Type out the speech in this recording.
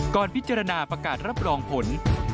ก่อนพิจารณาประกาศรับรองผล